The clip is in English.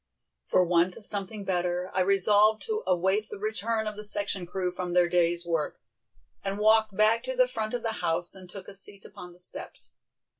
For want of something better I resolved to await the return of the section crew from their day's work, and walked back to the front of the house and took a seat upon the steps.